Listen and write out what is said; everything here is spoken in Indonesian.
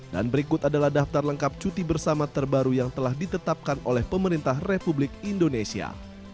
dan berikut adalah daftar lengkap cuti bersama terbaru yang telah ditetapkan oleh pemerintah republik indonesia